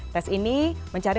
tes ini mencari